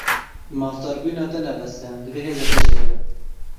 Mafdarbûna te ne bes e, divê hêza te jî hebe.